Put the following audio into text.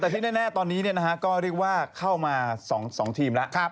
แต่ที่แน่ตอนนี้ก็เรียกว่าเข้ามา๒ทีมแล้ว